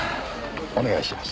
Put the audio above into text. お願いします。